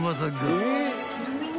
ちなみに。